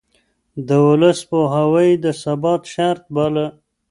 د ولس پوهاوی يې د ثبات شرط باله.